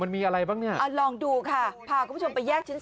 มันโคลดเลย